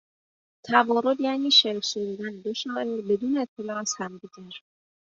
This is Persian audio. توارد یعنی شعر سرودن دو شاعر بدون اطلاع از همدیگر